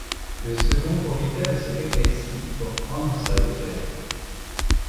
Le second profita de cette éclaircie pour prendre sa hauteur.